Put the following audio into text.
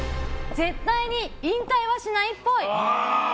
絶対に引退はしないっぽい。